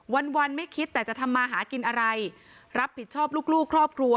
วันวันไม่คิดแต่จะทำมาหากินอะไรรับผิดชอบลูกลูกครอบครัว